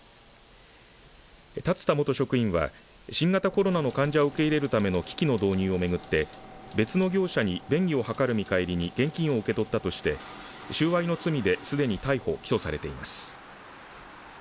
龍田元職員は新型コロナの患者を受け入れるための機器の導入を巡って、別の業者に便宜を図る見返りに現金を受け取ったとして収賄の罪で、すでに逮捕、起訴されています。